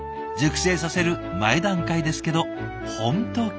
熟成させる前段階ですけど本当